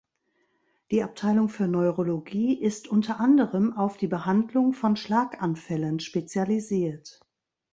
Die Abteilung für Neurologie ist unter anderem auf die Behandlung von Schlaganfällen spezialisiert.